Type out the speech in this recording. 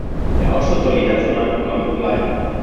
Der Ausschuss soll die nationalen Programme begleiten.